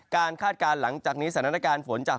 คาดการณ์หลังจากนี้สถานการณ์ฝนจาก